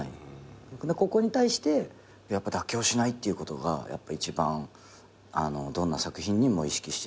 ここに対してやっぱ妥協しないっていうことが一番どんな作品にも意識してるのは。